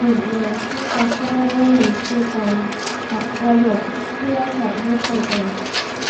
อีกงานที่จะช่วยเรื่องนี้ คือการคัดประโยคเพื่อส่งให้คนอ่าน